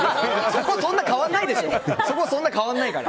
そこ、そんなに変わらないでしょ！